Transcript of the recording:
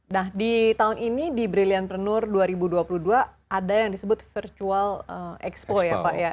nah di tahun ini di brilliantpreneur dua ribu dua puluh dua ada yang disebut virtual expo ya pak ya